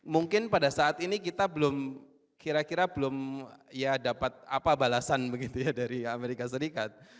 mungkin pada saat ini kita belum kira kira belum ya dapat apa balasan begitu ya dari amerika serikat